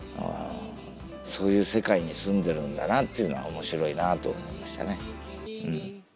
そういう世界に住んでるんだなっていうのは面白いなと思いましたね。